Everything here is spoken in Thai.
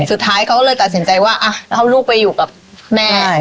สุดท้ายเขาเลยตัดสินใจว่าแล้วเอาลูกไปอยู่กับแม่